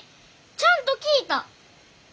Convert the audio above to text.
ちゃんと聞いた！